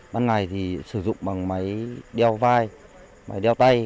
ban ngày thì sử dụng bằng máy đeo vai máy đeo tay